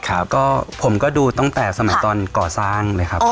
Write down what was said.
ครับก็ผมก็ดูตั้งแต่สมัยตอนก่อสร้างเลยครับ